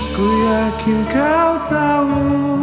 aku yakin kau tahu